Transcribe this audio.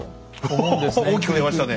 おお大きく出ましたね。